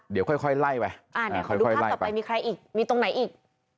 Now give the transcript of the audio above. เดี๋ยวค่อยไล่ไปขอดูภาพต่อไปมีใครอีกมีตรงไหนอีก